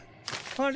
あれ？